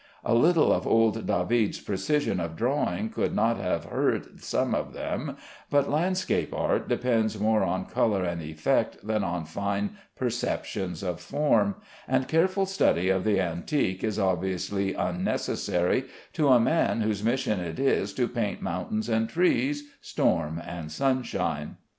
A little of old David's precision of drawing would not have hurt some of them, but landscape art depends more on color and effect than on fine perceptions of form, and careful study of the antique is obviously unnecessary to a man whose mission it is to paint mountains and trees, storm and sunshine.